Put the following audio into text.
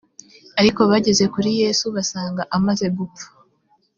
ariko bageze kuri yesu basanga amaze gupfa